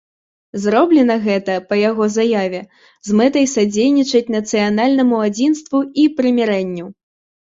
Зроблена гэта, па яго заяве, з мэтай садзейнічаць нацыянальнаму адзінству і прымірэнню.